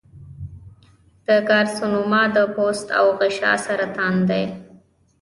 د کارسینوما د پوست او غشا سرطان دی.